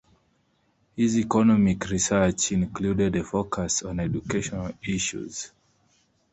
His economic research included a focus on educational issues.